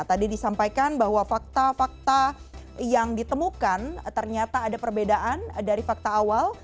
tadi disampaikan bahwa fakta fakta yang ditemukan ternyata ada perbedaan dari fakta awal